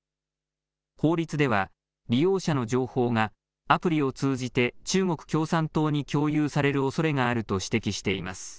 法律では利用者の情報がアプリを通じて中国共産党に共有されるおそれがあると指摘しています。